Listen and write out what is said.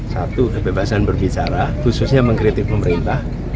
satu kebebasan berbicara khususnya mengkritik pemerintah